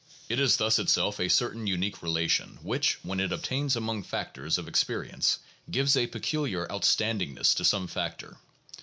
It is thus itself a certain unique relation, which, when it obtains among factors of experience, gives a peculiar outstandingness to some factor.